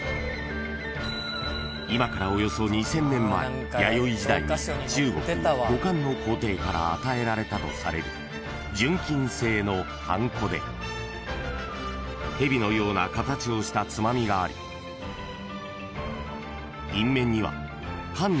［今からおよそ２，０００年前弥生時代に中国後漢の皇帝から与えられたとされる純金製のはんこで蛇のような形をしたつまみがあり印面には］